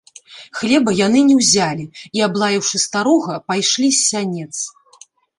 Хлеба яны не ўзялі і, аблаяўшы старога, пайшлі з сянец.